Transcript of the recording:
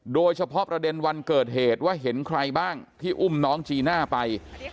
โดยเฉพาะประเด็นวันเกิดเหตุว่าเห็นใครบ้างที่อุ้มน้องจีน่าไป